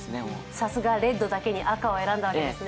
さすがレッドだけに赤を選んだんですね。